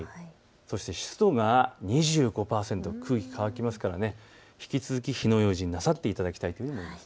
そして湿度が２５％、空気乾きますから引き続き火の用心なさっていただきたいというふうに思います。